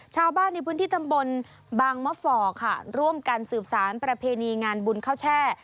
ชาวบ้านในพื้นที่ตำบลบางมะฝ่อค่ะร่วมกันสืบสารประเพณีงานบุญข้าวแช่